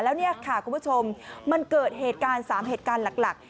แล้วเนี่ยค่ะคุณผู้ชมมันเกิดเหตุการณ์๓เหตุการณ์หลัก